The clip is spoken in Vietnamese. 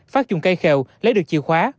phát dùng cây khèo lấy được chìa khóa